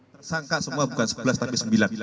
tersangka semua bukan sebelas tapi sembilan